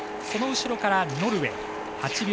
その後ろからノルウェー。